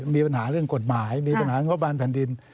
มีปัญหาเรื่องกฎหมายมีปัญหางบประมาณแผ่นดิน